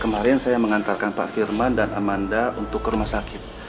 kemarin saya mengantarkan pak firman dan amanda untuk ke rumah sakit